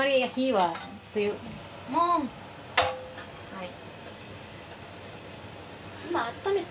はい。